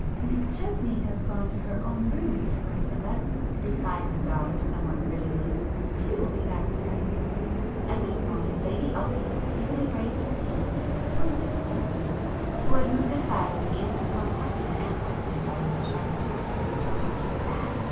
"Miss Chesney has gone to her own room to write a letter;" replied his daughter somewhat frigidly—"She will be back directly." At this moment Lady Elton feebly raised her hand and pointed to Lucio, who had moved aside to answer some question asked of him by Miss Charlotte. "Who is that?"